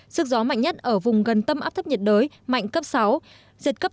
sức gió mạnh nhất ở vùng gần tâm áp thấp nhiệt đới mạnh cấp sáu giật cấp chín